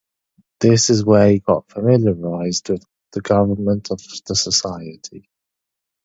This is where he got familiarized with the government of the society.